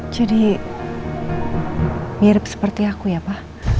jadi mirip seperti aku ya pa